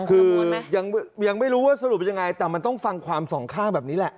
คือยังไม่รู้ว่าสรุปยังไงแต่มันต้องฟังความสองข้างแบบนี้แหละ